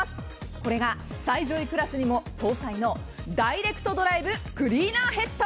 これが最上位クラスにも搭載のダイレクトドライブクリーナーヘッド。